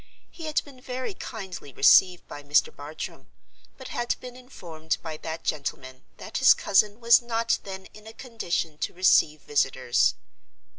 He had been very kindly received by Mr. Bartram; but had been informed by that gentleman that his cousin was not then in a condition to receive visitors.